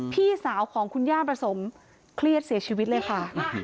พี่สาวของคุณย่าประสมเครียดเสียชีวิตเลยค่ะ